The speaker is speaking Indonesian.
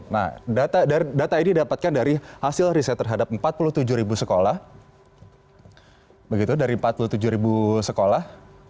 nah data ini dapatkan dari hasil riset terhadap empat puluh tujuh sekolah begitu dari empat puluh tujuh sekolah